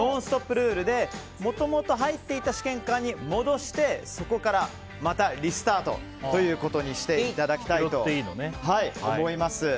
ルールでもともと入っていた試験管に戻して、そこからまたリスタートということにしていただきたいと思います。